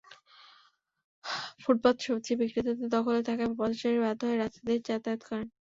ফুটপাত সবজি বিক্রেতাদের দখলে থাকায় পথচারীরা বাধ্য হয়ে রাস্তা দিয়েই যাতায়াত করেন।